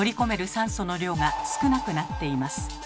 酸素の量が少なくなっています。